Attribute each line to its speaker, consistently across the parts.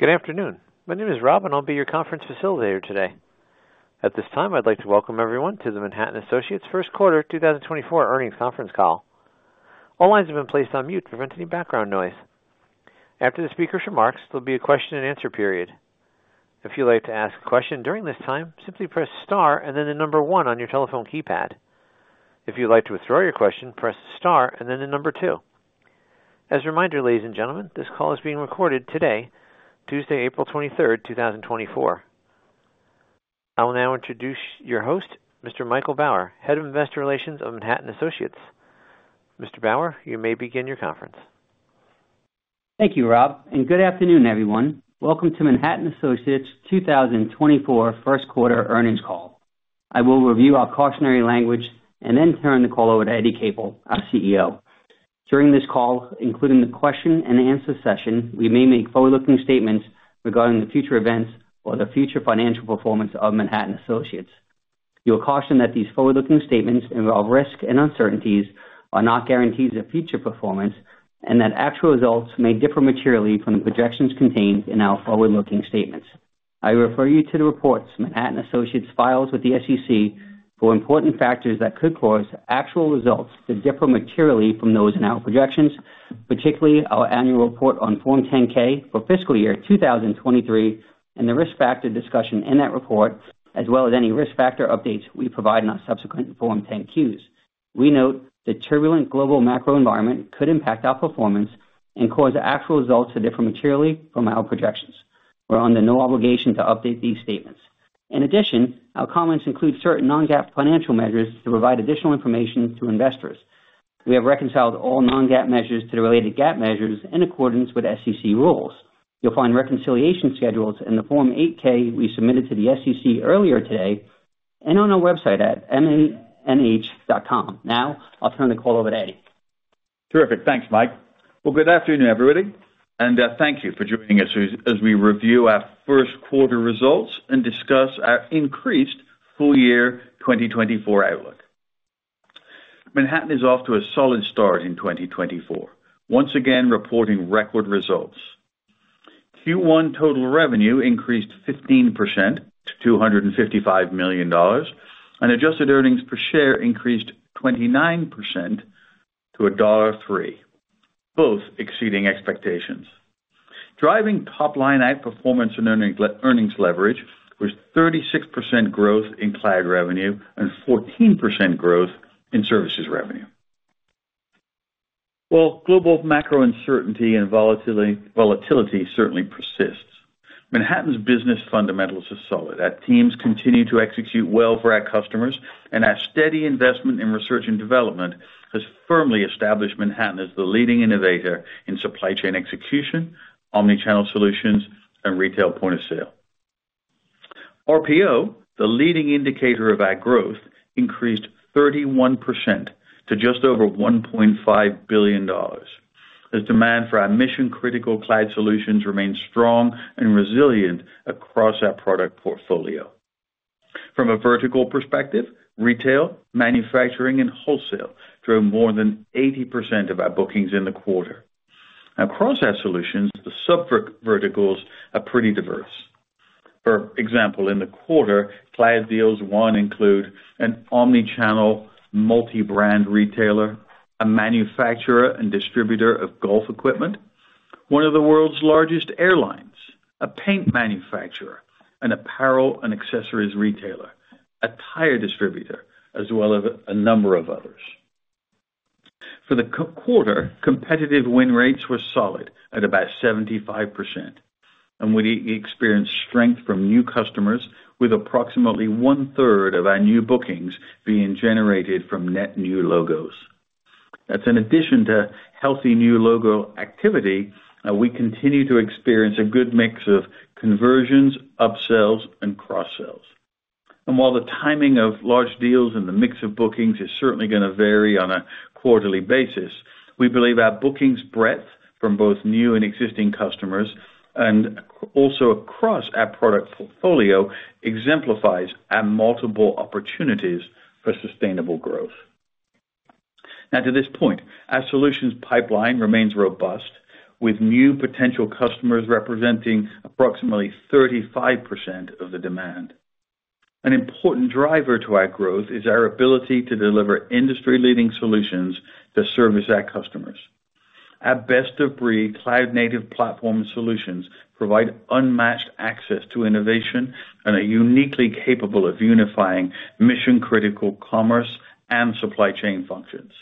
Speaker 1: Good afternoon. My name is Rob, and I'll be your conference facilitator today. At this time, I'd like to welcome everyone to the Manhattan Associates Q1 2024 earnings conference call. All lines have been placed on mute to prevent any background noise. After the speaker's remarks, there'll be a question and answer period. If you'd like to ask a question during this time, simply press star and then the number one on your telephone keypad. If you'd like to withdraw your question, press star and then the number two. As a reminder, ladies and gentlemen, this call is being recorded today, Tuesday, April 23rd, 2024. I will now introduce your host, Mr. Michael Bauer, Head of Investor Relations of Manhattan Associates. Mr. Bauer, you may begin your conference.
Speaker 2: Thank you, Rob, and good afternoon, everyone. Welcome to Manhattan Associates 2024 Q1 earnings call. I will review our cautionary language and then turn the call over to Eddie Capel, our CEO. During this call, including the question and answer session, we may make forward-looking statements regarding the future events or the future financial performance of Manhattan Associates. We caution that these forward-looking statements involve risks and uncertainties, are not guarantees of future performance, and that actual results may differ materially from the projections contained in our forward-looking statements. I refer you to the reports Manhattan Associates files with the SEC for important factors that could cause actual results to differ materially from those in our projections, particularly our annual report on Form 10-K for fiscal year 2023, and the risk factor discussion in that report, as well as any risk factor updates we provide in our subsequent Form 10-Qs. We note the turbulent global macro environment could impact our performance and cause actual results to differ materially from our projections. We're under no obligation to update these statements. In addition, our comments include certain non-GAAP financial measures to provide additional information to investors. We have reconciled all non-GAAP measures to the related GAAP measures in accordance with SEC rules. You'll find reconciliation schedules in the Form 8-K we submitted to the SEC earlier today and on our website at manh.com. Now, I'll turn the call over to Eddie.
Speaker 3: Terrific. Thanks, Mike. Well, good afternoon, everybody, and thank you for joining us as we review our Q1 results and discuss our increased full year 2024 outlook. Manhattan is off to a solid start in 2024, once again reporting record results. Q1 total revenue increased 15% to $255 million, and adjusted earnings per share increased 29% to $1.03, both exceeding expectations. Driving top-line outperformance and earnings leverage was 36% growth in cloud revenue and 14% growth in services revenue. While global macro uncertainty and volatility certainly persists, Manhattan's business fundamentals are solid. Our teams continue to execute well for our customers, and our steady investment in research and development has firmly established Manhattan as the leading innovator in supply chain execution, omnichannel solutions, and retail point-of-sale. RPO, the leading indicator of our growth, increased 31% to just over $1.5 billion, as demand for our mission-critical cloud solutions remains strong and resilient across our product portfolio. From a vertical perspective, retail, manufacturing, and wholesale drove more than 80% of our bookings in the quarter. Across our solutions, the sub verticals are pretty diverse. For example, in the quarter, cloud deals, one, include an omni-channel multi-brand retailer, a manufacturer and distributor of golf equipment, one of the world's largest airlines, a paint manufacturer, an apparel and accessories retailer, a tire distributor, as well as a number of others. For the quarter, competitive win rates were solid at about 75%, and we experienced strength from new customers, with approximately 1/3 of our new bookings being generated from net new logos. That's in addition to healthy new logo activity, we continue to experience a good mix of conversions, upsells, and cross-sells. While the timing of large deals and the mix of bookings is certainly gonna vary on a quarterly basis, we believe our bookings breadth from both new and existing customers, and also across our product portfolio, exemplifies our multiple opportunities for sustainable growth. Now, to this point, our solutions pipeline remains robust, with new potential customers representing approximately 35% of the demand. An important driver to our growth is our ability to deliver industry-leading solutions that service our customers. Our best-of-breed cloud-native platform solutions provide unmatched access to innovation and are uniquely capable of unifying mission-critical commerce and supply chain functions.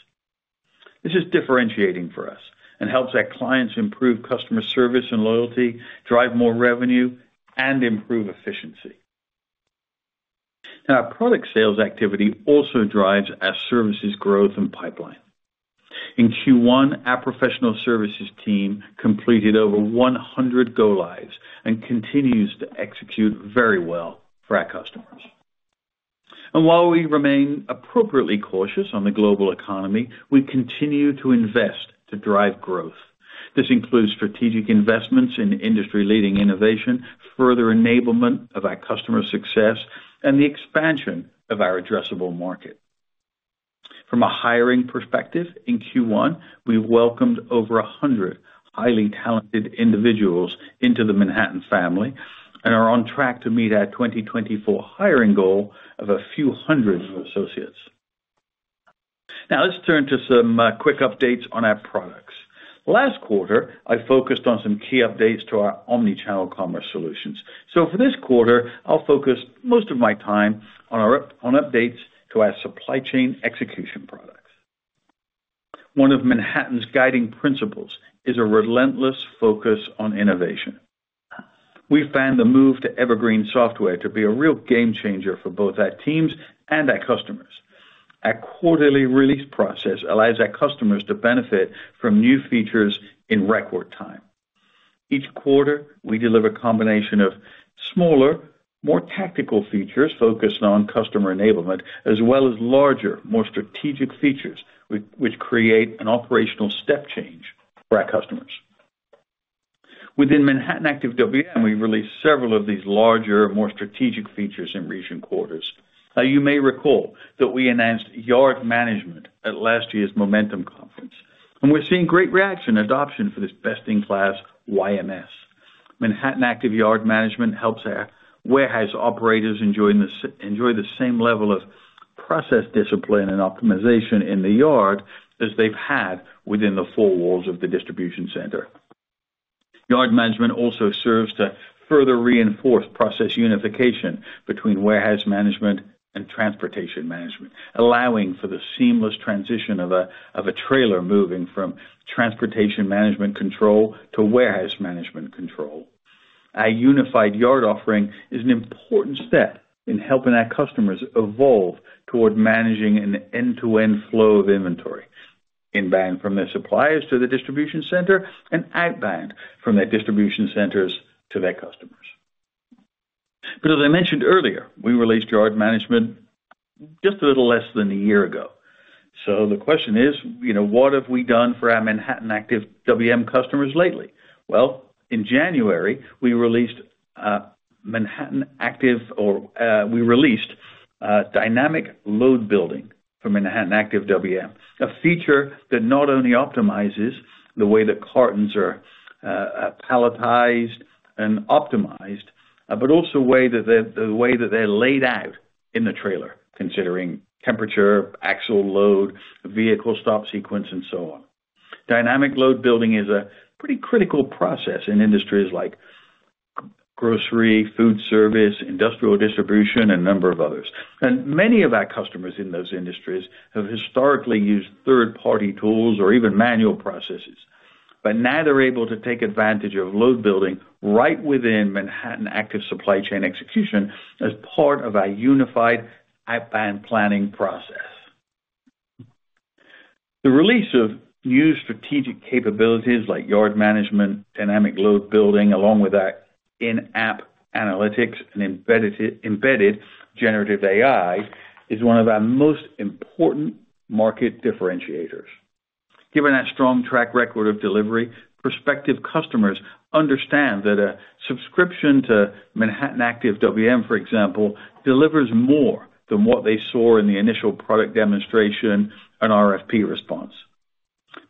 Speaker 3: This is differentiating for us and helps our clients improve customer service and loyalty, drive more revenue, and improve efficiency. Now, our product sales activity also drives our services growth and pipeline. In Q1, our professional services team completed over 100 go-lives and continues to execute very well for our customers. And while we remain appropriately cautious on the global economy, we continue to invest to drive growth. This includes strategic investments in industry-leading innovation, further enablement of our customer success, and the expansion of our addressable market. From a hiring perspective, in Q1, we welcomed over 100 highly talented individuals into the Manhattan family and are on track to meet our 2024 hiring goal of a few hundred associates. Now, let's turn to some quick updates on our products. Last quarter, I focused on some key updates to our omni-channel commerce solutions. So for this quarter, I'll focus most of my time on updates to our supply chain execution products. One of Manhattan's guiding principles is a relentless focus on innovation. We found the move to Evergreen Software to be a real game changer for both our teams and our customers. Our quarterly release process allows our customers to benefit from new features in record time. Each quarter, we deliver a combination of smaller, more tactical features focused on customer enablement, as well as larger, more strategic features, which create an operational step change for our customers. Within Manhattan Active WM, we've released several of these larger, more strategic features in recent quarters. Now, you may recall that we announced Yard Management at last year's Momentum Conference, and we're seeing great reaction adoption for this best-in-class YMS. Manhattan Active Yard Management helps our warehouse operators enjoy the same level of process discipline and optimization in the yard as they've had within the four walls of the distribution center. Yard Management also serves to further reinforce process unification between warehouse management and transportation management, allowing for the seamless transition of a trailer moving from transportation management control to warehouse management control. Our unified yard offering is an important step in helping our customers evolve toward managing an end-to-end flow of inventory, inbound from their suppliers to the distribution center and outbound from their distribution centers to their customers. But as I mentioned earlier, we released Yard Management just a little less than a year ago. So the question is, you know, what have we done for our Manhattan Active WM customers lately? Well, in January, we released Dynamic Load Building from Manhattan Active WM, a feature that not only optimizes the way the cartons are palletized and optimized, but also the way that they're laid out in the trailer, considering temperature, actual load, vehicle stop sequence, and so on. Dynamic Load Building is a pretty critical process in industries like grocery, food service, industrial distribution, and a number of others. And many of our customers in those industries have historically used third-party tools or even manual processes. But now they're able to take advantage of load building right within Manhattan Active Supply Chain Execution as part of our unified outbound planning process. The release of new strategic capabilities like Yard Management, Dynamic Load Building, along with our in-app analytics and embedded generative AI, is one of our most important market differentiators. Given that strong track record of delivery, prospective customers understand that a subscription to Manhattan Active WM, for example, delivers more than what they saw in the initial product demonstration and RFP response.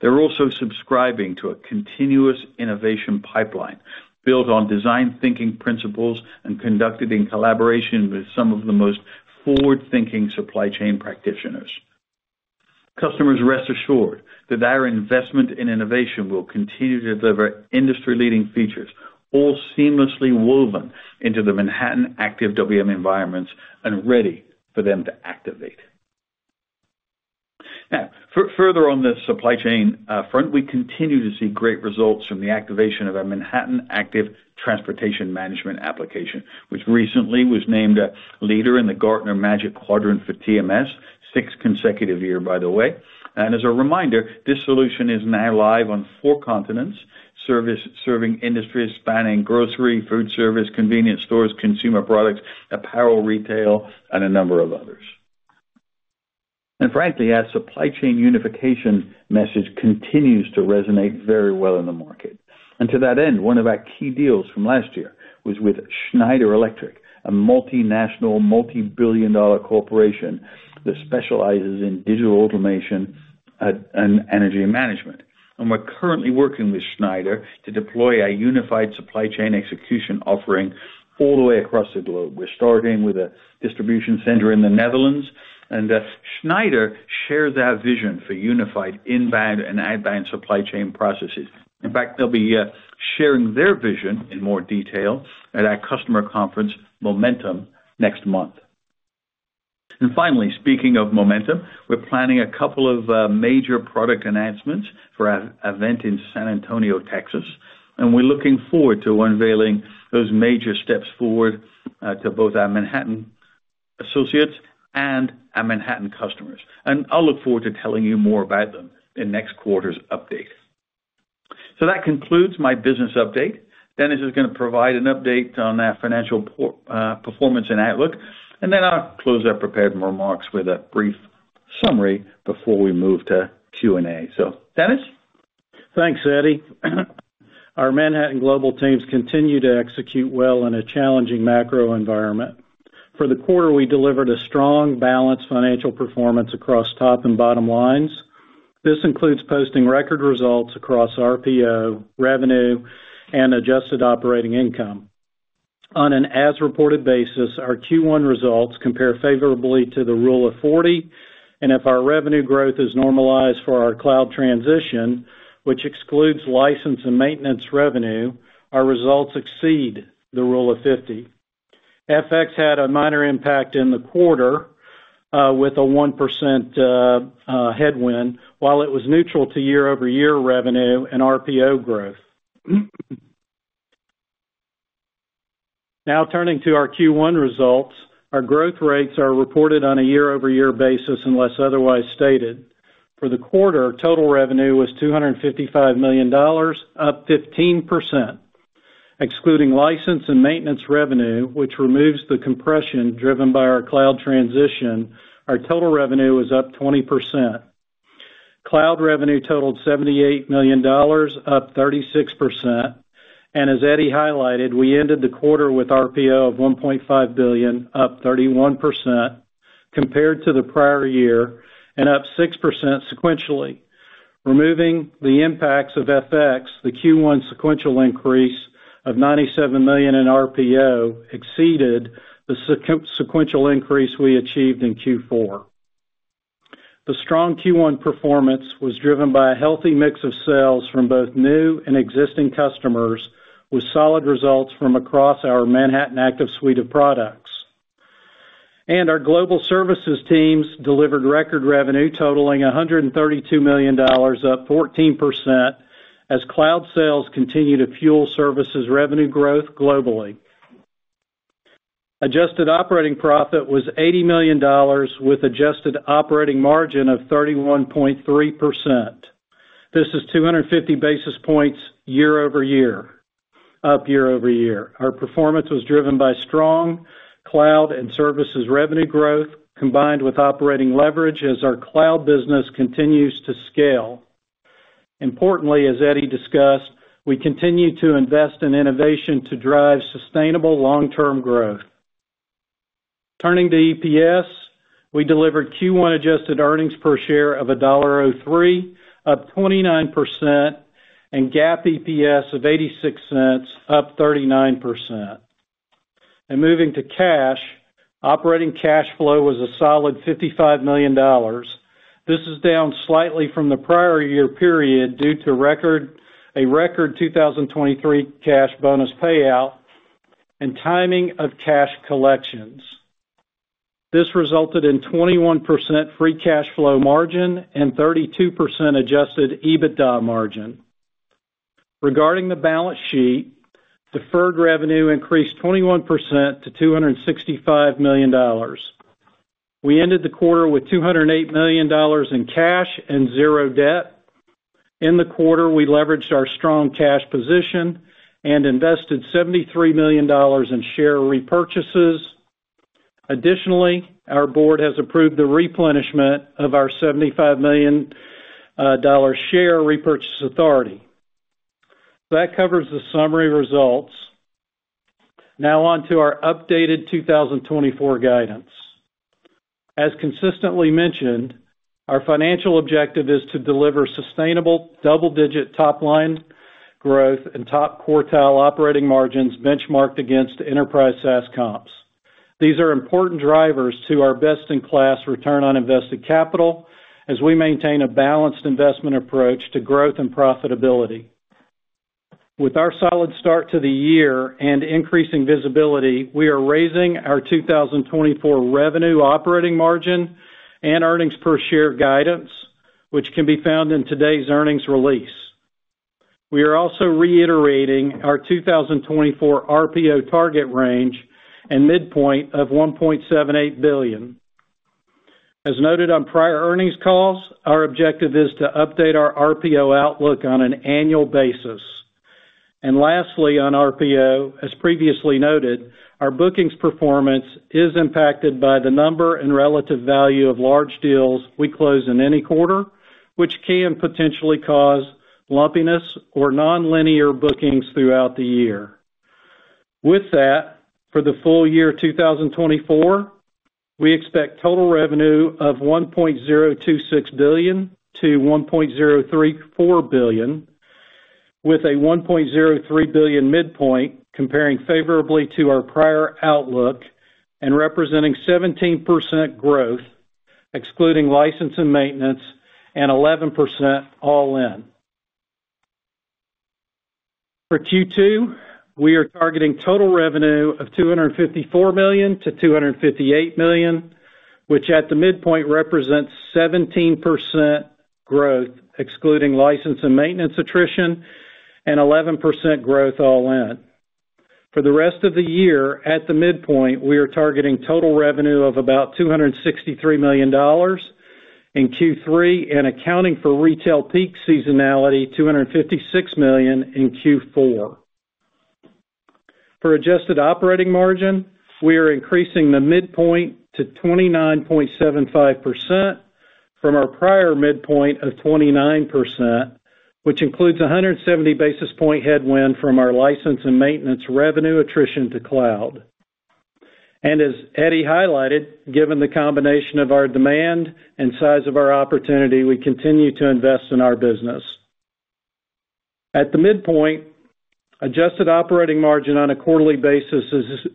Speaker 3: They're also subscribing to a continuous innovation pipeline built on design thinking principles and conducted in collaboration with some of the most forward-thinking supply chain practitioners. Customers rest assured that our investment in innovation will continue to deliver industry-leading features, all seamlessly woven into the Manhattan Active WM environments and ready for them to activate. Now, further on the supply chain front, we continue to see great results from the activation of our Manhattan Active Transportation Management application, which recently was named a leader in the Gartner Magic Quadrant for TMS, sixth consecutive year, by the way. And as a reminder, this solution is now live on four continents, serving industries spanning grocery, food service, convenience stores, consumer products, apparel, retail, and a number of others. And frankly, our supply chain unification message continues to resonate very well in the market. And to that end, one of our key deals from last year was with Schneider Electric, a multinational, multi-billion dollar corporation that specializes in digital automation and energy management. And we're currently working with Schneider to deploy a unified supply chain execution offering all the way across the globe. We're starting with a distribution center in the Netherlands, and Schneider shares our vision for unified inbound and outbound supply chain processes. In fact, they'll be sharing their vision in more detail at our customer conference, Momentum, next month. And finally, speaking of Momentum, we're planning a couple of major product announcements for our event in San Antonio, Texas, and we're looking forward to unveiling those major steps forward to both our Manhattan Associates and our Manhattan customers. And I'll look forward to telling you more about them in next quarter's update. So that concludes my business update. Dennis is going to provide an update on our financial performance and outlook, and then I'll close our prepared remarks with a brief summary before we move to Q&A. So, Dennis?...
Speaker 4: Thanks, Eddie. Our Manhattan global teams continue to execute well in a challenging macro environment. For the quarter, we delivered a strong, balanced financial performance across top and bottom lines. This includes posting record results across RPO, revenue, and adjusted operating income. On an as-reported basis, our Q1 results compare favorably to the Rule of 40, and if our revenue growth is normalized for our cloud transition, which excludes license and maintenance revenue, our results exceed the Rule of 50. FX had a minor impact in the quarter, with a 1% headwind, while it was neutral to year-over-year revenue and RPO growth. Now, turning to our Q1 results, our growth rates are reported on a year-over-year basis, unless otherwise stated. For the quarter, total revenue was $255 million, up 15%. Excluding license and maintenance revenue, which removes the compression driven by our cloud transition, our total revenue was up 20%. Cloud revenue totaled $78 million, up 36%, and as Eddie highlighted, we ended the quarter with RPO of $1.5 billion, up 31% compared to the prior year and up 6% sequentially. Removing the impacts of FX, the Q1 sequential increase of $97 million in RPO exceeded the sequential increase we achieved in Q4. The strong Q1 performance was driven by a healthy mix of sales from both new and existing customers, with solid results from across our Manhattan Active suite of products. Our global services teams delivered record revenue totaling $132 million, up 14%, as cloud sales continue to fuel services revenue growth globally. Adjusted operating profit was $80 million, with adjusted operating margin of 31.3%. This is 250 basis points year-over-year, up year-over-year. Our performance was driven by strong cloud and services revenue growth, combined with operating leverage as our cloud business continues to scale. Importantly, as Eddie discussed, we continue to invest in innovation to drive sustainable long-term growth. Turning to EPS, we delivered Q1 adjusted earnings per share of $1.03, up 29%, and GAAP EPS of $0.86, up 39%. Moving to cash, operating cash flow was a solid $55 million. This is down slightly from the prior year period due to a record 2023 cash bonus payout and timing of cash collections. This resulted in 21% free cash flow margin and 32% adjusted EBITDA margin. Regarding the balance sheet, deferred revenue increased 21% to $265 million. We ended the quarter with $208 million in cash and 0 debt. In the quarter, we leveraged our strong cash position and invested $73 million in share repurchases. Additionally, our board has approved the replenishment of our $75 million dollar share repurchase authority. That covers the summary results. Now on to our updated 2024 guidance. As consistently mentioned, our financial objective is to deliver sustainable double-digit top-line growth and top-quartile operating margins benchmarked against enterprise SaaS comps. These are important drivers to our best-in-class return on invested capital, as we maintain a balanced investment approach to growth and profitability. With our solid start to the year and increasing visibility, we are raising our 2024 revenue, operating margin, and earnings per share guidance, which can be found in today's earnings release. We are also reiterating our 2024 RPO target range and midpoint of $1.78 billion. As noted on prior earnings calls, our objective is to update our RPO outlook on an annual basis. Lastly, on RPO, as previously noted, our bookings performance is impacted by the number and relative value of large deals we close in any quarter, which can potentially cause lumpiness or nonlinear bookings throughout the year. With that, for the full year 2024, we expect total revenue of $1.026 billion-$1.034 billion, with a $1.03 billion midpoint, comparing favorably to our prior outlook and representing 17% growth, excluding license and maintenance, and 11% all in. For Q2, we are targeting total revenue of $254 million-$258 million, which at the midpoint represents 17% growth, excluding license and maintenance attrition, and 11% growth all in. For the rest of the year, at the midpoint, we are targeting total revenue of about $263 million in Q3, and accounting for retail peak seasonality, $256 million in Q4. For adjusted operating margin, we are increasing the midpoint to 29.75% from our prior midpoint of 29%, which includes a 170 basis point headwind from our license and maintenance revenue attrition to cloud. And as Eddie highlighted, given the combination of our demand and size of our opportunity, we continue to invest in our business. At the midpoint, adjusted operating margin on a quarterly basis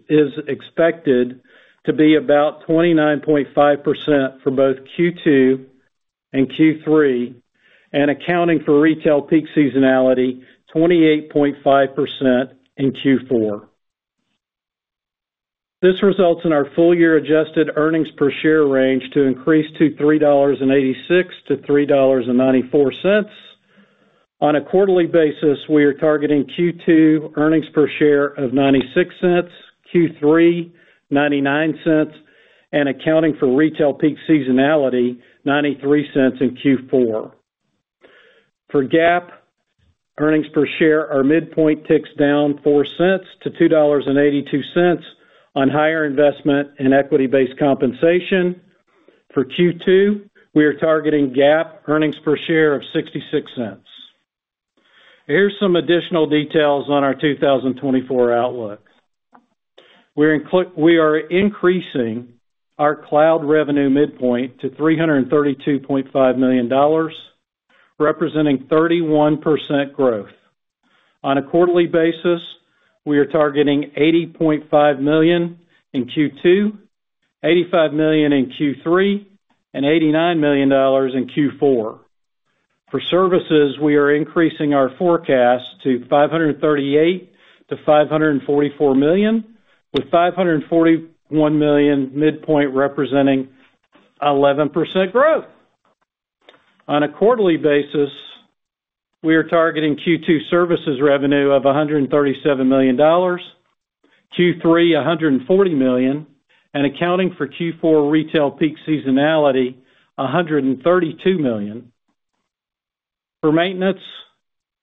Speaker 4: is expected to be about 29.5% for both Q2 and Q3, and accounting for retail peak seasonality, 28.5% in Q4. This results in our full-year adjusted earnings per share range to increase to $3.86-$3.94. On a quarterly basis, we are targeting Q2 earnings per share of $0.96, Q3, $0.99, and accounting for retail peak seasonality, $0.93 in Q4. For GAAP earnings per share, our midpoint ticks down 4 cents to $2.82 on higher investment in equity-based compensation. For Q2, we are targeting GAAP earnings per share of $0.66. Here's some additional details on our 2024 outlook. We are increasing our cloud revenue midpoint to $332.5 million, representing 31% growth. On a quarterly basis, we are targeting $80.5 million in Q2, $85 million in Q3, and $89 million in Q4. For services, we are increasing our forecast to $538 million-$544 million, with $541 million midpoint, representing 11% growth. On a quarterly basis, we are targeting Q2 services revenue of $137 million, Q3, $140 million, and accounting for Q4 retail peak seasonality, $132 million. For maintenance,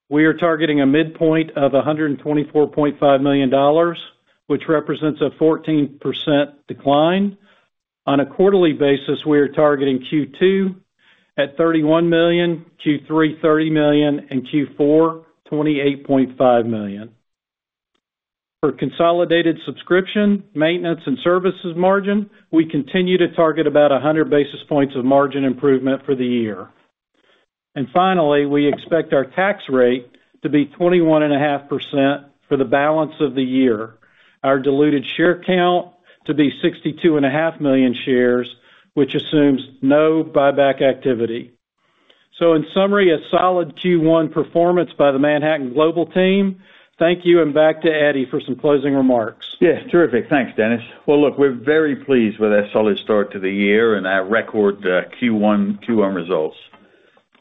Speaker 4: we are targeting a midpoint of $124.5 million, which represents a 14% decline. On a quarterly basis, we are targeting Q2 at $31 million, Q3, $30 million, and Q4, $28.5 million. For consolidated subscription, maintenance, and services margin, we continue to target about 100 basis points of margin improvement for the year. And finally, we expect our tax rate to be 21.5% for the balance of the year. Our diluted share count to be 62.5 million shares, which assumes no buyback activity. So in summary, a solid Q1 performance by the Manhattan Global team. Thank you, and back to Eddie for some closing remarks.
Speaker 3: Yes, terrific. Thanks, Dennis. Well, look, we're very pleased with our solid start to the year and our record Q1 results.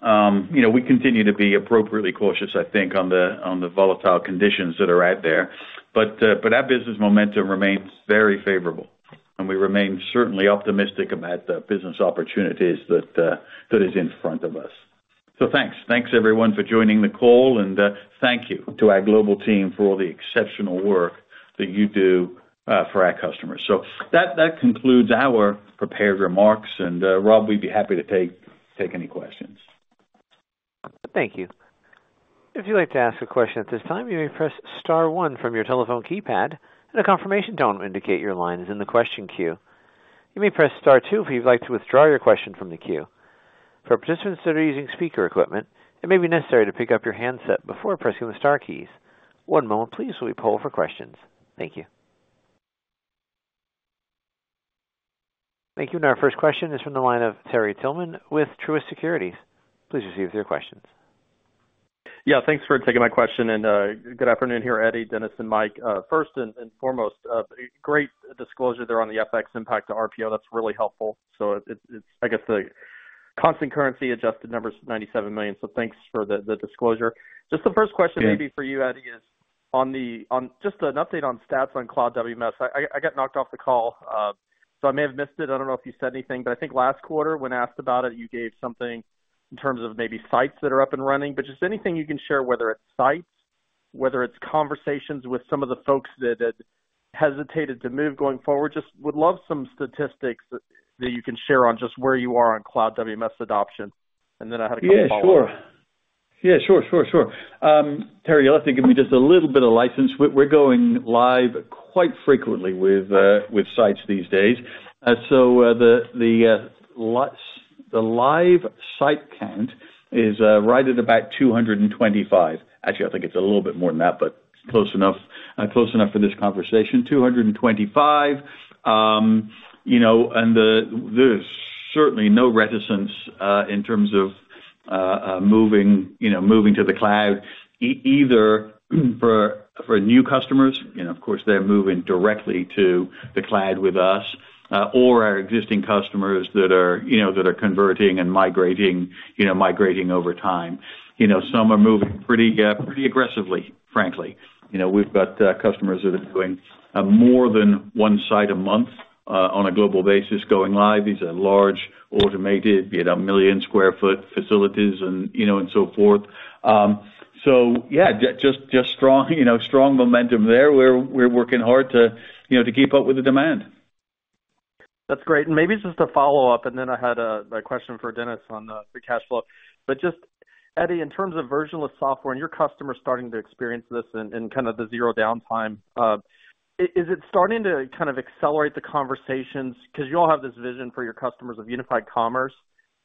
Speaker 3: You know, we continue to be appropriately cautious, I think, on the volatile conditions that are out there, but our business momentum remains very favorable, and we remain certainly optimistic about the business opportunities that is in front of us. So thanks. Thanks, everyone, for joining the call, and thank you to our global team for all the exceptional work that you do for our customers. So that concludes our prepared remarks, and Rob, we'd be happy to take any questions.
Speaker 1: Thank you. If you'd like to ask a question at this time, you may press star one from your telephone keypad, and a confirmation tone will indicate your line is in the question queue. You may press star two if you'd like to withdraw your question from the queue. For participants that are using speaker equipment, it may be necessary to pick up your handset before pressing the star keys. One moment, please, while we poll for questions. Thank you. Thank you. And our first question is from the line of Terry Tillman with Truist Securities. Please proceed with your questions.
Speaker 5: Yeah, thanks for taking my question, and good afternoon, Eddie, Dennis, and Mike. First and foremost, great disclosure there on the FX impact to RPO. That's really helpful. So it's, I guess, the constant currency adjusted numbers, $97 million. So thanks for the disclosure. Just the first question-
Speaker 3: Yeah.
Speaker 5: Maybe for you, Eddie, is on the... Just an update on stats on Cloud WMS. I got knocked off the call, so I may have missed it. I don't know if you said anything, but I think last quarter, when asked about it, you gave something in terms of maybe sites that are up and running. But just anything you can share, whether it's sites, whether it's conversations with some of the folks that had hesitated to move going forward, just would love some statistics that you can share on just where you are on Cloud WMS adoption. And then I had a couple follow-ups.
Speaker 3: Yeah, sure. Yeah, sure, sure, sure. Terry, you'll have to give me just a little bit of license. We're going live quite frequently with sites these days. So, the live site count is right at about 225. Actually, I think it's a little bit more than that, but close enough, close enough for this conversation. 225, you know, and there's certainly no reticence in terms of moving, you know, moving to the cloud, either for new customers, you know, of course, they're moving directly to the cloud with us, or our existing customers that are, you know, that are converting and migrating, you know, migrating over time. You know, some are moving pretty, pretty aggressively, frankly. You know, we've got customers that are doing more than one site a month on a global basis, going live. These are large, automated, be it a 1 million sq ft facilities and, you know, and so forth. So yeah, just strong, you know, strong momentum there. We're working hard to, you know, to keep up with the demand. ...
Speaker 5: That's great. Maybe just a follow-up, and then I had a question for Dennis on the cash flow. But just, Eddie, in terms of evergreen software and your customers starting to experience this in kind of the zero downtime, is it starting to kind of accelerate the conversations? Because you all have this vision for your customers of unified commerce,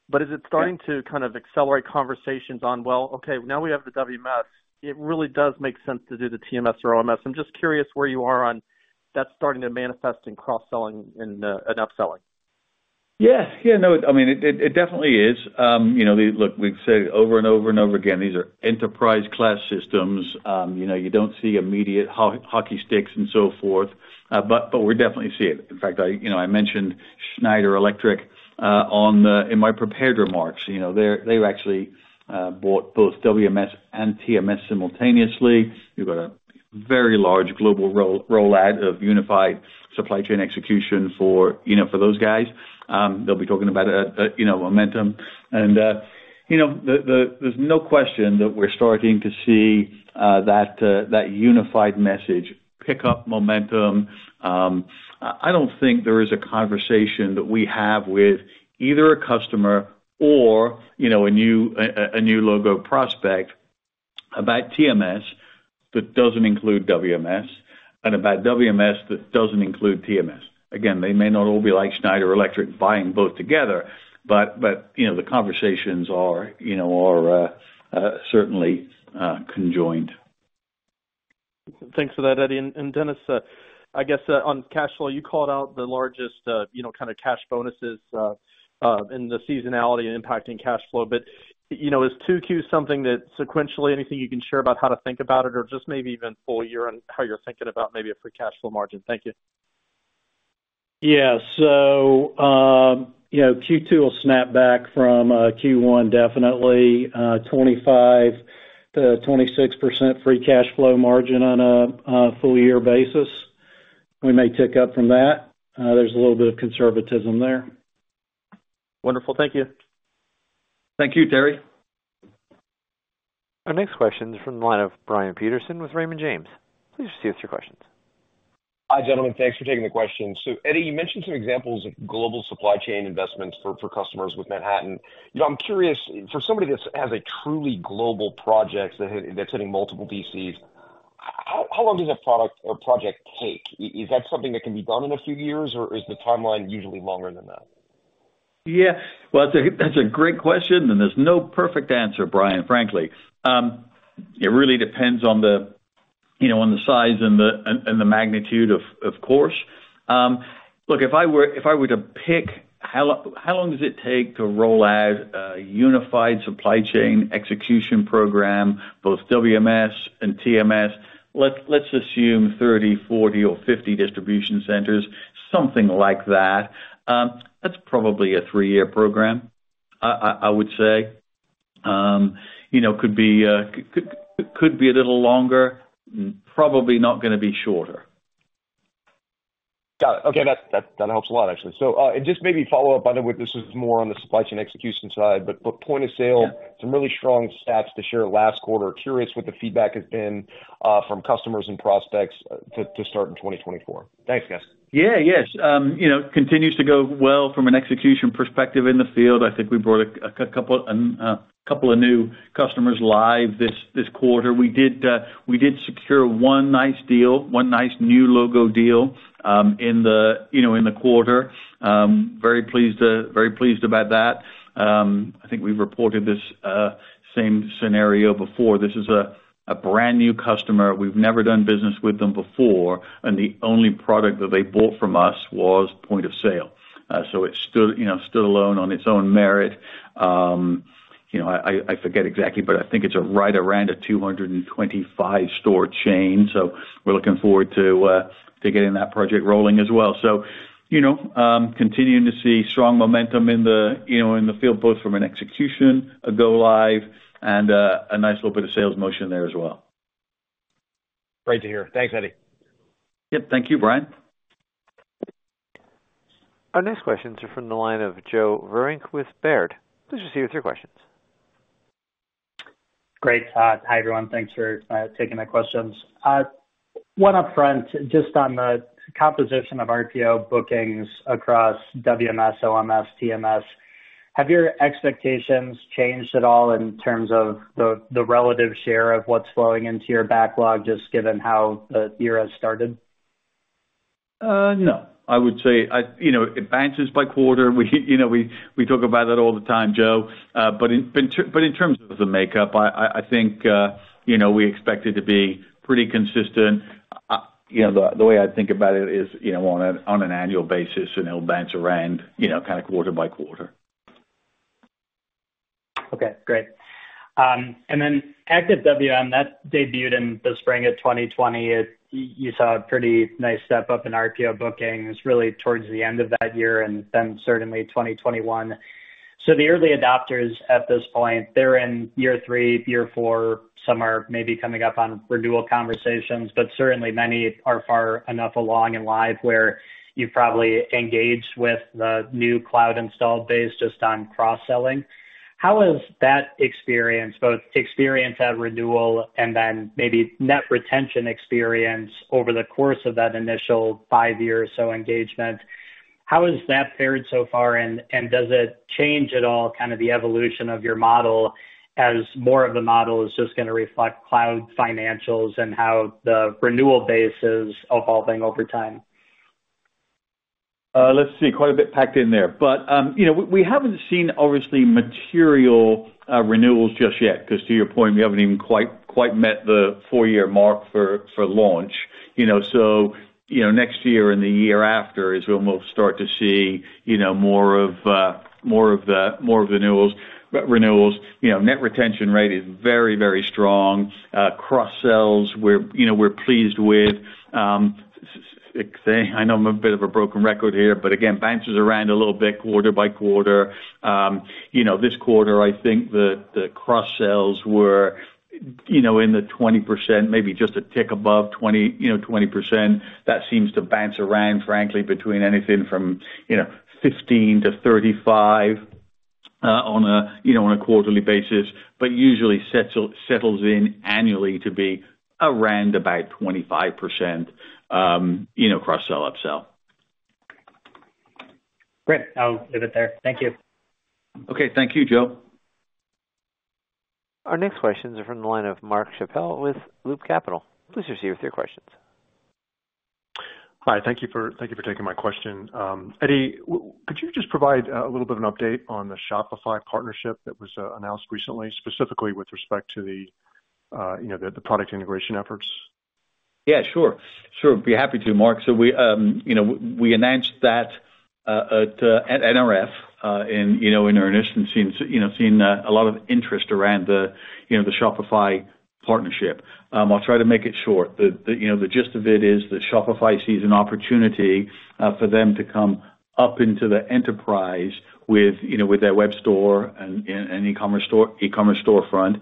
Speaker 5: but is it starting to kind of accelerate conversations on, well, okay, now we have the WMS, it really does make sense to do the TMS or OMS. I'm just curious where you are on that, that's starting to manifest in cross-selling and upselling.
Speaker 3: Yeah. Yeah, no, I mean, it, it definitely is. Look, we've said it over and over and over again, these are enterprise-class systems. You know, you don't see immediate hockey sticks and so forth, but, but we definitely see it. In fact, I, you know, I mentioned Schneider Electric, on the, in my prepared remarks. You know, they've actually bought both WMS and TMS simultaneously. We've got a very large global roll out of unified supply chain execution for, you know, for those guys. They'll be talking about it at, you know, Momentum. You know, the, there's no question that we're starting to see, that unified message pick up momentum. I don't think there is a conversation that we have with either a customer or, you know, a new logo prospect about TMS that doesn't include WMS, and about WMS that doesn't include TMS. Again, they may not all be like Schneider Electric buying both together, but, you know, the conversations are, you know, certainly conjoined.
Speaker 5: Thanks for that, Eddie. And Dennis, I guess, on cash flow, you called out the largest, you know, kind of cash bonuses in the seasonality and impacting cash flow. But, you know, is Q2 something that sequentially anything you can share about how to think about it, or just maybe even full year and how you're thinking about maybe a free cash flow margin? Thank you.
Speaker 4: Yeah. So, you know, Q2 will snap back from Q1, definitely, 25%-26% free cash flow margin on a full year basis. We may tick up from that. There's a little bit of conservatism there.
Speaker 5: Wonderful. Thank you.
Speaker 4: Thank you, Terry.
Speaker 1: Our next question is from the line of Brian Peterson with Raymond James. Please proceed with your questions.
Speaker 6: Hi, gentlemen. Thanks for taking the question. So, Eddie, you mentioned some examples of global supply chain investments for customers with Manhattan. You know, I'm curious, for somebody that has a truly global project that's hitting multiple DCs, how long does that product or project take? Is that something that can be done in a few years, or is the timeline usually longer than that?
Speaker 3: Yeah. Well, that's a great question, and there's no perfect answer, Brian, frankly. It really depends on the, you know, on the size and the, and the magnitude, of course. Look, if I were to pick how long does it take to roll out a unified supply chain execution program, both WMS and TMS, let's assume 30, 40 or 50 distribution centers, something like that, that's probably a 3-year program, I would say. You know, could be a little longer, probably not gonna be shorter.
Speaker 6: Got it. Okay, that helps a lot, actually. So, and just maybe follow up, by the way, this is more on the supply chain execution side, but point of sale-
Speaker 3: Yeah.
Speaker 6: Some really strong stats to share last quarter. Curious what the feedback has been from customers and prospects to start in 2024. Thanks, guys.
Speaker 3: Yeah. Yes, you know, continues to go well from an execution perspective in the field. I think we brought a couple of new customers live this quarter. We did secure one nice deal, one nice new logo deal in the quarter. Very pleased about that. I think we've reported this same scenario before. This is a brand new customer. We've never done business with them before, and the only product that they bought from us was point of sale. So it stood alone on its own merit. You know, I forget exactly, but I think it's right around a 225 store chain, so we're looking forward to getting that project rolling as well. So, you know, continuing to see strong momentum in the, you know, in the field, both from an execution, a go live and, a nice little bit of sales motion there as well.
Speaker 6: Great to hear. Thanks, Eddie.
Speaker 3: Yep. Thank you, Brian.
Speaker 1: Our next question is from the line of Joe Vruwink with Baird. Please proceed with your questions.
Speaker 7: Great. Hi, everyone. Thanks for taking my questions. One upfront, just on the composition of RPO bookings across WMS, OMS, TMS, have your expectations changed at all in terms of the relative share of what's flowing into your backlog, just given how the year has started?
Speaker 3: No. I would say, you know, it bounces by quarter. We, you know, talk about that all the time, Joe. But in terms of the makeup, I think, you know, we expect it to be pretty consistent. You know, the way I think about it is, you know, on an annual basis, and it'll bounce around, you know, kind of quarter by quarter.
Speaker 7: Okay, great. And then Active WM, that debuted in the spring of 2020. You saw a pretty nice step up in RPO bookings, really towards the end of that year and then certainly 2021. So the early adopters at this point, they're in year three, year four, some are maybe coming up on renewal conversations, but certainly many are far enough along in live, where you've probably engaged with the new cloud installed base just on cross-selling. How has that experience, both experience at renewal and then maybe net retention experience over the course of that initial five years or so engagement, how has that fared so far? And does it change at all, kind of the evolution of your model as more of the model is just gonna reflect cloud financials and how the renewal base is evolving over time?
Speaker 3: Let's see, quite a bit packed in there. But you know, we haven't seen obviously material renewals just yet, 'cause to your point, we haven't even quite met the four-year mark for launch, you know. So you know, next year and the year after is when we'll start to see you know, more of the renewals. But renewals, you know, net retention rate is very, very strong. Cross sales, you know, we're pleased with. So I know I'm a bit of a broken record here, but again, bounces around a little bit quarter by quarter. You know, this quarter, I think the cross sales were you know, in the 20%, maybe just a tick above 20, you know, 20%. That seems to bounce around, frankly, between anything from, you know, 15-35 on a quarterly basis, but usually settles in annually to be around about 25%, you know, cross-sell, upsell.
Speaker 7: Great. I'll leave it there. Thank you.
Speaker 3: Okay. Thank you, Joe.
Speaker 1: Our next questions are from the line of Mark Schappel with Loop Capital. Please proceed with your questions.
Speaker 8: Hi, thank you for taking my question. Eddie, could you just provide a little bit of an update on the Shopify partnership that was announced recently, specifically with respect to the, you know, the product integration efforts?
Speaker 3: Yeah, sure. Sure, be happy to, Mark. So we, you know, we announced that at NRF, and, you know, in our instance, seems, you know, seen a lot of interest around the, you know, the Shopify partnership. I'll try to make it short. The, the, you know, the gist of it is that Shopify sees an opportunity for them to come up into the enterprise with, you know, with their web store and, and, and e-commerce store- e-commerce storefront.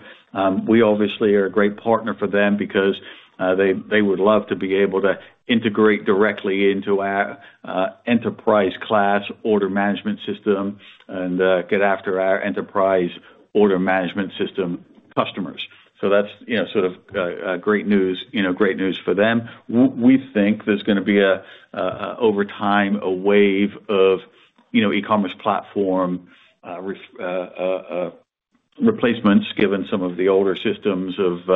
Speaker 3: We obviously are a great partner for them because, they, they would love to be able to integrate directly into our, enterprise class order management system and, get after our enterprise order management system customers. So that's, you know, sort of, great news, you know, great news for them. We think there's gonna be, over time, a wave of, you know, e-commerce platform replacements, given some of the older systems have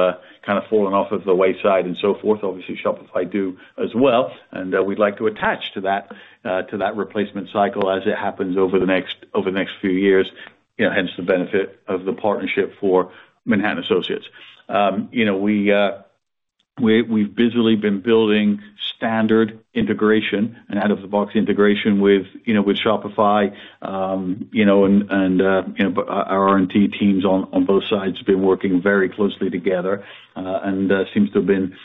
Speaker 3: kind of fallen off of the wayside and so forth. Obviously, Shopify do as well, and we'd like to attach to that replacement cycle as it happens over the next few years, you know, hence the benefit of the partnership for Manhattan Associates. You know, we, we've busily been building standard integration and out-of-the-box integration with, you know, with Shopify, you know, and, and, you know, both our R&T teams on both sides have been working very closely together, and seems to have been,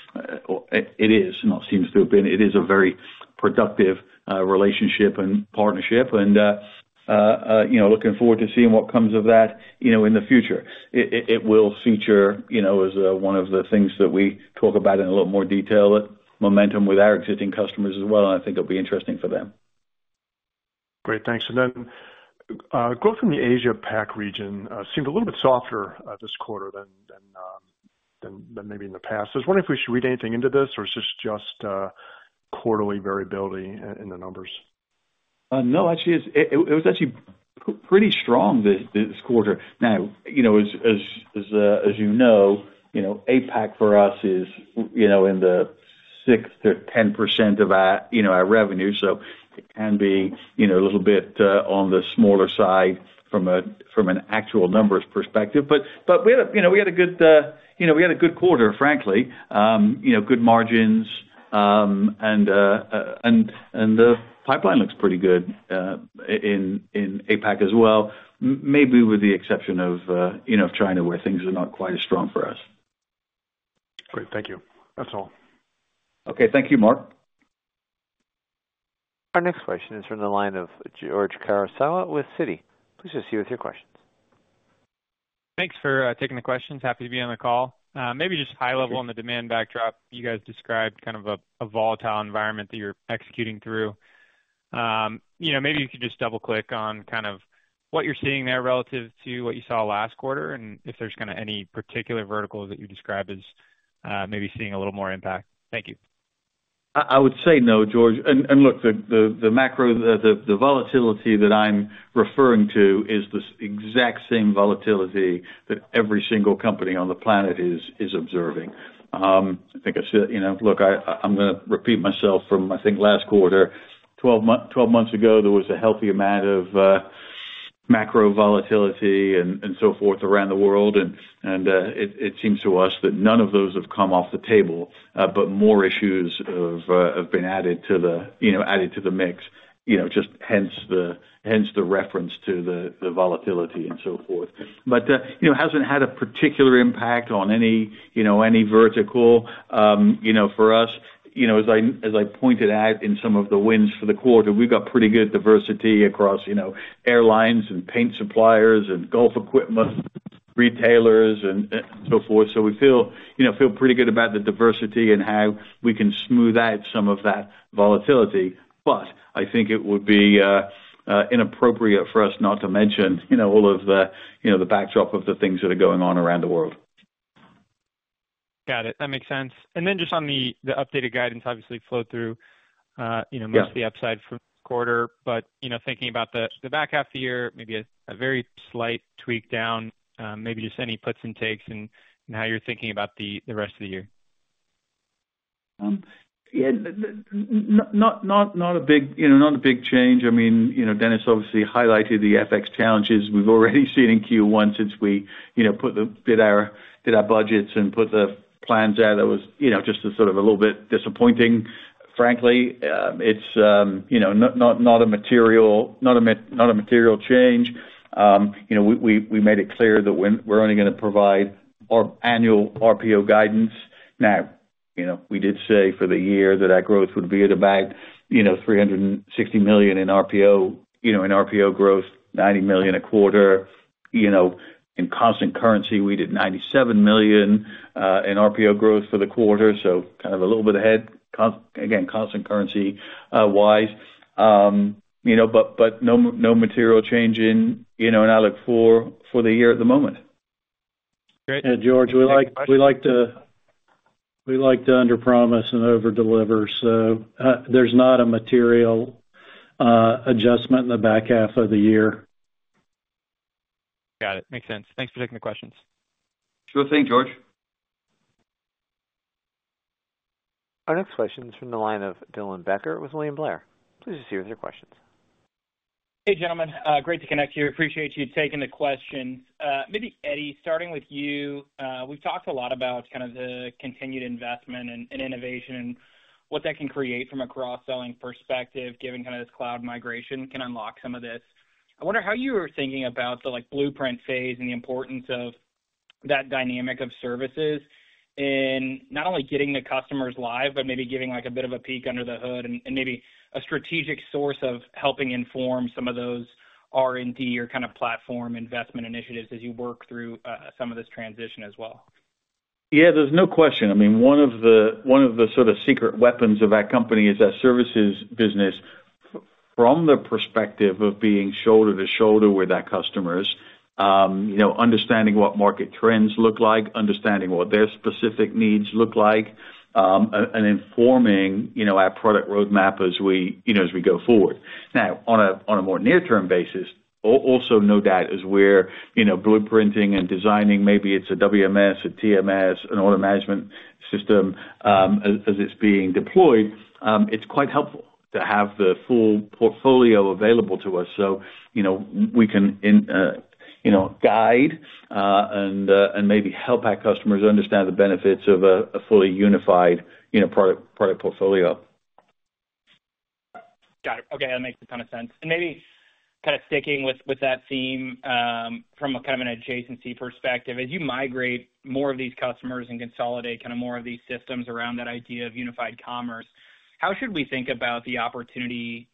Speaker 3: or it, it, it is, not seems to have been, it is a very productive relationship and partnership and, you know, looking forward to seeing what comes of that, you know, in the future. It, it, it will feature, you know, as one of the things that we talk about in a little more detail, Momentum with our existing customers as well, and I think it'll be interesting for them.
Speaker 8: Great, thanks. Then, growth in the Asia-Pacific region seemed a little bit softer this quarter than maybe in the past. I was wondering if we should read anything into this, or is this just quarterly variability in the numbers?
Speaker 3: No, actually, it was actually pretty strong this quarter. Now, you know, as you know, APAC for us is you know, in the 6%-10% of our revenue, so it can be you know, a little bit on the smaller side from an actual numbers perspective. But we had a good quarter, frankly. You know, good margins, and the pipeline looks pretty good in APAC as well, maybe with the exception of you know, China, where things are not quite as strong for us.
Speaker 8: Great. Thank you. That's all.
Speaker 3: Okay. Thank you, Mark.
Speaker 1: Our next question is from the line of George George Karr with Citi. Please proceed with your questions.
Speaker 9: Thanks for taking the questions. Happy to be on the call. Maybe just high level on the demand backdrop. You guys described kind of a volatile environment that you're executing through. You know, maybe you could just double-click on kind of what you're seeing there relative to what you saw last quarter, and if there's kind of any particular verticals that you describe as maybe seeing a little more impact. Thank you.
Speaker 3: I would say no, George. And look, the macro volatility that I'm referring to is the exact same volatility that every single company on the planet is observing. I think I should, you know... Look, I'm gonna repeat myself from, I think, last quarter. 12 months ago, there was a healthy amount of macro volatility and it seems to us that none of those have come off the table, but more issues have been added to the mix, you know, just hence the reference to the volatility and so forth. But you know, it hasn't had a particular impact on any vertical. You know, for us, you know, as I pointed out in some of the wins for the quarter, we've got pretty good diversity across, you know, airlines and paint suppliers and golf equipment retailers and so forth. So we feel, you know, pretty good about the diversity and how we can smooth out some of that volatility. But I think it would be inappropriate for us not to mention, you know, all of the, you know, the backdrop of the things that are going on around the world.
Speaker 9: Got it. That makes sense. And then just on the, the updated guidance, obviously flow through, you know-
Speaker 3: Yeah
Speaker 9: mostly upside for the quarter. But, you know, thinking about the back half of the year, maybe a very slight tweak down, maybe just any puts and takes in how you're thinking about the rest of the year.
Speaker 3: Yeah, the not a big change. I mean, you know, Dennis obviously highlighted the FX challenges we've already seen in Q1 since we, you know, did our budgets and put the plans out. That was, you know, just a sort of a little bit disappointing, frankly. It's you know, not a material change. You know, we made it clear that we're only gonna provide our annual RPO guidance. Now, you know, we did say for the year that our growth would be at about, you know, $360 million in RPO, you know, in RPO growth, $90 million a quarter. You know, in constant currency, we did $97 million in RPO growth for the quarter, so kind of a little bit ahead, again, constant currency wise. You know, but, but no, no material change in, you know, in outlook for, for the year at the moment.
Speaker 9: Great.
Speaker 4: George, we like to underpromise and overdeliver, so there's not a material adjustment in the back half of the year.
Speaker 9: Got it. Makes sense. Thanks for taking the questions.
Speaker 3: Sure thing, George.
Speaker 1: Our next question is from the line of Dylan Becker with William Blair. Please proceed with your questions.
Speaker 10: Hey, gentlemen. Great to connect to you. Appreciate you taking the question. Maybe Eddie, starting with you. We've talked a lot about kind of the continued investment and, and innovation, and what that can create from a cross-selling perspective, given kind of this cloud migration can unlock some of this. I wonder how you are thinking about the, like, blueprint phase and the importance of that dynamic of services in not only getting the customers live, but maybe giving, like, a bit of a peek under the hood and, and maybe a strategic source of helping inform some of those R&D or kind of platform investment initiatives as you work through some of this transition as well.
Speaker 3: Yeah, there's no question. I mean, one of the, one of the sort of secret weapons of our company is our services business, from the perspective of being shoulder to shoulder with our customers. You know, understanding what market trends look like, understanding what their specific needs look like, and informing, you know, our product roadmap as we, you know, as we go forward. Now, on a, on a more near-term basis, also no doubt is where, you know, blueprinting and designing, maybe it's a WMS, a TMS, an order management system, as it's being deployed, it's quite helpful to have the full portfolio available to us. So, you know, we can, you know, guide and maybe help our customers understand the benefits of a fully unified, you know, product portfolio.
Speaker 10: Got it. Okay, that makes a ton of sense. And maybe kind of sticking with that theme from a kind of an adjacency perspective. As you migrate more of these customers and consolidate kind of more of these systems around that idea of unified commerce, how should we think about the opportunity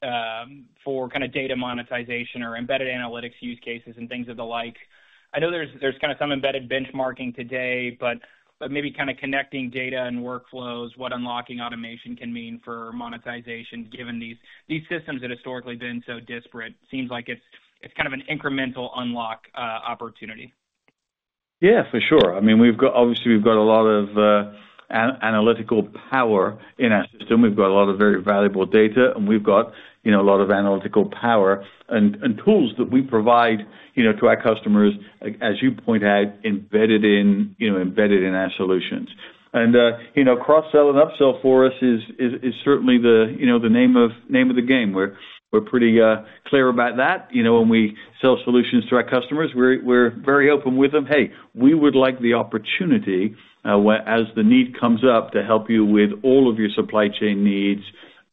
Speaker 10: for kind of data monetization or embedded analytics use cases and things of the like? I know there's kind of some embedded benchmarking today, but maybe kind of connecting data and workflows, what unlocking automation can mean for monetization, given these systems that historically been so disparate. Seems like it's kind of an incremental unlock opportunity.
Speaker 3: Yeah, for sure. I mean, we've got obviously, we've got a lot of analytical power in our system. We've got a lot of very valuable data, and we've got, you know, a lot of analytical power and tools that we provide, you know, to our customers, as you point out, embedded in, you know, embedded in our solutions. And, you know, cross-sell and upsell for us is certainly the name of the game. We're pretty clear about that. You know, when we sell solutions to our customers, we're very open with them: "Hey, we would like the opportunity, as the need comes up, to help you with all of your supply chain needs,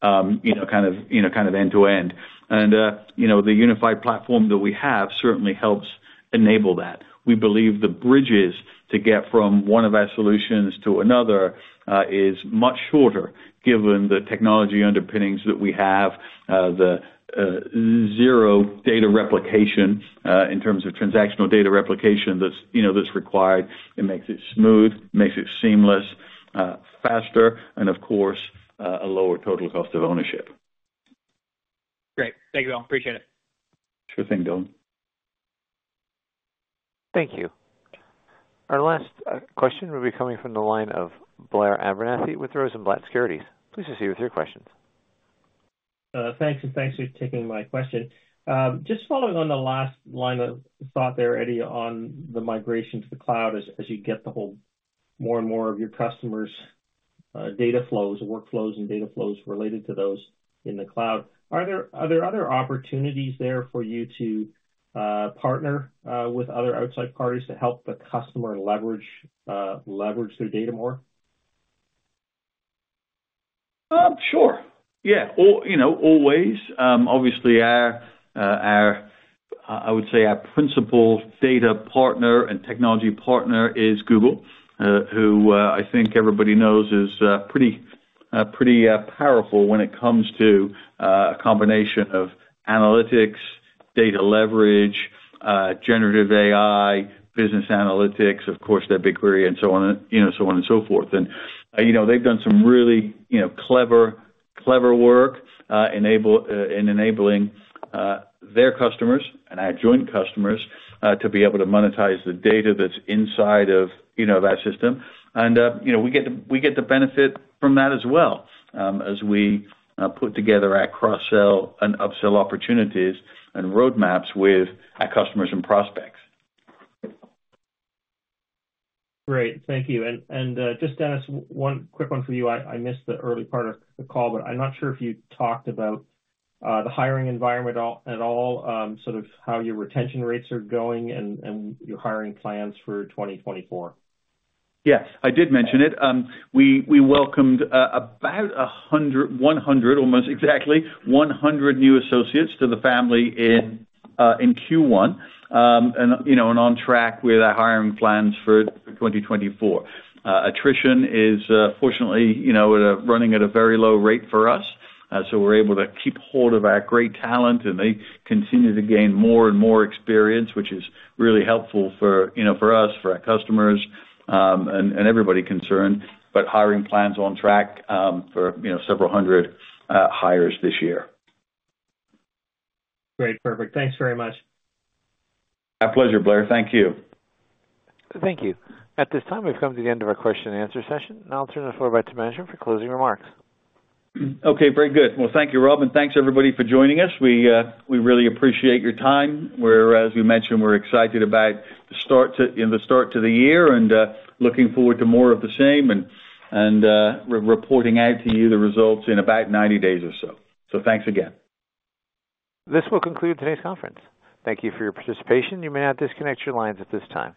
Speaker 3: you know, kind of, you know, kind of end to end." And, you know, the unified platform that we have certainly helps enable that. We believe the bridges to get from one of our solutions to another, is much shorter, given the technology underpinnings that we have, the, zero data replication, in terms of transactional data replication, that's, you know, that's required. It makes it smooth, makes it seamless, faster, and of course, a lower total cost of ownership.
Speaker 10: Great. Thank you all. Appreciate it.
Speaker 3: Sure thing, Dylan.
Speaker 1: Thank you. Our last question will be coming from the line of Blair Abernethy with Rosenblatt Securities. Please proceed with your questions.
Speaker 10: Thanks, and thanks for taking my question. Just following on the last line of thought there, Eddie, on the migration to the cloud. As you get the whole more and more of your customers' data flows, workflows and data flows related to those in the cloud, are there other opportunities there for you to partner with other outside parties to help the customer leverage their data more?
Speaker 3: Sure. Yeah. You know, always, obviously, our principal data partner and technology partner is Google, who, I think everybody knows is pretty powerful when it comes to a combination of analytics, data leverage, generative AI, business analytics, of course, their BigQuery, and so on, you know, so on and so forth. And, you know, they've done some really, you know, clever work in enabling their customers and our joint customers to be able to monetize the data that's inside of, you know, that system. And, you know, we get to benefit from that as well, as we put together our cross-sell and upsell opportunities and roadmaps with our customers and prospects.
Speaker 10: Great. Thank you. And, and, just Dennis, one quick one for you. I, I missed the early part of the call, but I'm not sure if you talked about the hiring environment at all, sort of how your retention rates are going and, and your hiring plans for 2024.
Speaker 3: Yes, I did mention it. We welcomed about 100, 100, almost exactly 100 new associates to the family in Q1. And, you know, on track with our hiring plans for 2024. Attrition is, fortunately, you know, running at a very low rate for us. So we're able to keep hold of our great talent, and they continue to gain more and more experience, which is really helpful for, you know, for us, for our customers, and everybody concerned. But hiring plans on track for, you know, several hundred hires this year.
Speaker 10: Great. Perfect. Thanks very much.
Speaker 3: My pleasure, Blair. Thank you.
Speaker 1: Thank you. At this time, we've come to the end of our question and answer session, and I'll turn the floor back to management for closing remarks.
Speaker 3: Okay, very good. Well, thank you, Rob, and thanks everybody for joining us. We really appreciate your time, where, as we mentioned, we're excited about the start to, you know, the start to the year and re-reporting out to you the results in about 90 days or so. So thanks again.
Speaker 1: This will conclude today's conference. Thank you for your participation. You may now disconnect your lines at this time.